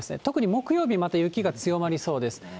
特に木曜日また雪が強まりそうです。